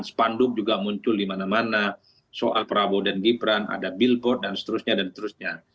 spanduk juga muncul di mana mana soal prabowo dan gibran ada billboard dan seterusnya dan seterusnya